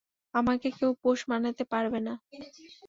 আমাকে কেউ পোষ মানাতে পারবে না।